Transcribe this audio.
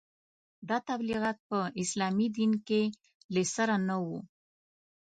دا تبلیغات په اسلامي دین کې له سره نه وو.